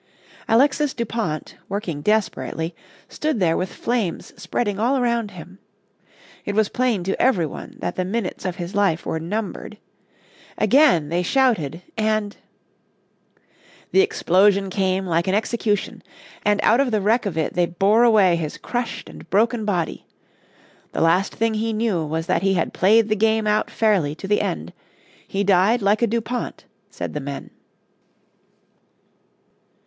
Alexis Dupont, working desperately, stood there with flames spreading all around him. It was plain to every one that the minutes of his life were numbered. Again they shouted and The explosion came like an execution, and out of the wreck of it they bore away his crushed and broken body. The last thing he knew was that he had played the game out fairly to the end he died like a Dupont, said the men.